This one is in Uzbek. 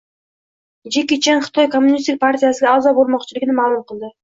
Jyeki Chan Xitoy kommunistik partiyasiga a'zo bo‘lmoqchiligini ma'lum qildi